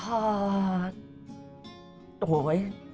โอ้โหเว้ย